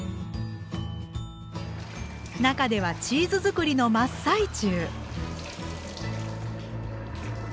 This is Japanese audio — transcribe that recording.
中ではチーズ作りの真っ最中！